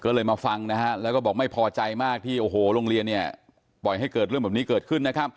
ก็เลยมาฟังแล้วก็บอกไม่พอใจมากที่โรงเรียนปล่อยให้เกิดเรื่องแบบนี้เกิดขึ้น